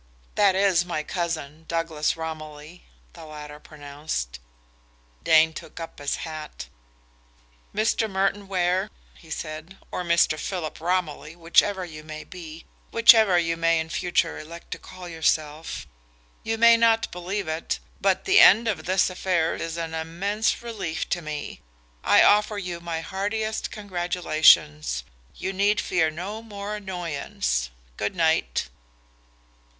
"That is my cousin, Douglas Romilly," the latter pronounced. Dane took up his hat. "Mr. Merton Ware," he said, "or Mr. Philip Romilly, whichever you may in future elect to call yourself, you may not believe it, but the end of this affairs is an immense relief to me. I offer you my heartiest congratulations. You need fear no more annoyance. Good night!"